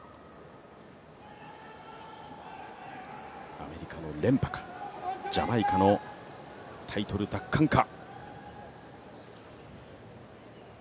アメリカの連覇かジャマイカのタイトル奪還か。